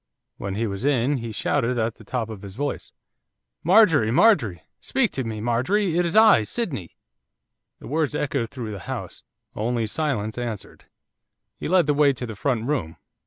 When he was in, he shouted at the top of his voice, 'Marjorie! Marjorie! Speak to me, Marjorie, it is I, Sydney!' The words echoed through the house. Only silence answered. He led the way to the front room.